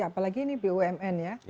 apalagi ini bumn ya